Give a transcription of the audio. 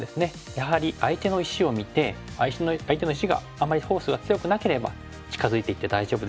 やはり相手の石を見て相手の石があんまりフォースが強くなければ近づいていって大丈夫ですし。